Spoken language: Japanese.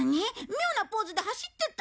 妙なポーズで走ってた？